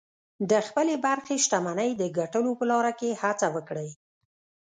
د خپلې برخې شتمنۍ د ګټلو په لاره کې هڅه وکړئ